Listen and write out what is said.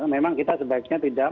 memang kita sebaiknya tidak